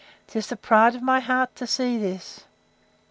'Tis the pride of my heart to see this!